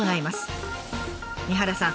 三原さん